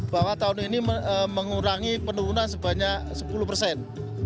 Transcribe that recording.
bahwa tahun ini mengurangi penurunan sebanyak sepuluh persen